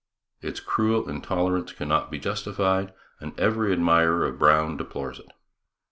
Its cruel intolerance cannot be justified, and every admirer of Brown deplores it.